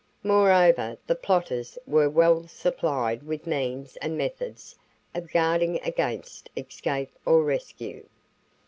Moreover, the plotters were well supplied with means and methods of guarding against escape or rescue.